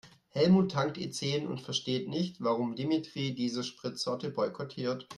Helmut tankt E-zehn und versteht nicht, warum Dimitri diese Spritsorte boykottiert.